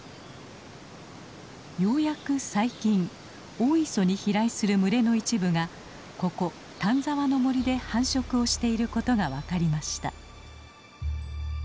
ようやく最近大磯に飛来する群れの一部がここ丹沢の森で繁殖をしていることが分かりました。